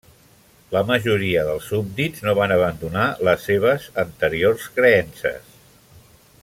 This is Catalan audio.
La majoria dels súbdits no van abandonar les seves anteriors creences.